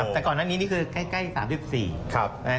แต่ก่อนอันนี้นี่คือใกล้๓๔